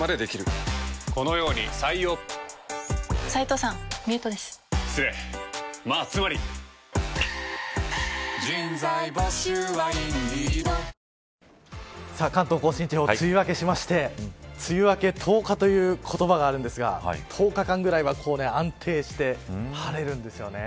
こんな情報やったらさらに集中して関東甲信地方梅雨明けしまして梅雨明け１０日という言葉があるんですが１０日間ぐらいは安定して晴れるんですよね。